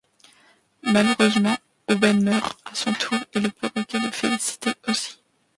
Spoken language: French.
Malheureusement, Aubaine meurt à son tour et le perroquet de Félicité aussi.